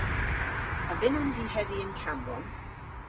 A vynnons i hedhi yn Kammbronn?